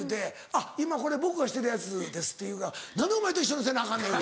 「あっ今これ僕がしてるやつです」って言うから「何でお前と一緒のせなアカンねん！」